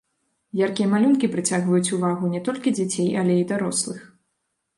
Яркія малюнкі прыцягваюць увагу не толькі дзяцей, але і дарослых.